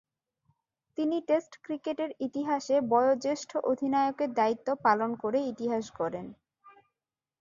তিনি টেস্ট ক্রিকেটের ইতিহাসে বয়োঃজ্যেষ্ঠ অধিনায়কের দায়িত্ব পালন করে ইতিহাস গড়েন।